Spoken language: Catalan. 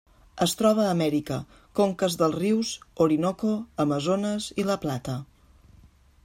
Es troba a Amèrica: conques dels rius Orinoco, Amazones i La Plata.